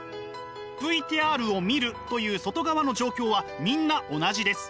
ＶＴＲを見るという外側の状況はみんな同じです。